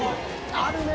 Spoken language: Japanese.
あるね。